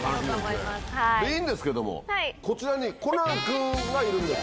いいんですけどもこちらにコナン君がいるんですよ。